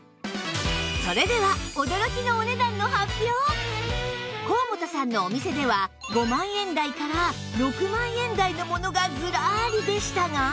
それでは高本さんのお店では５万円台から６万円台のものがずらりでしたが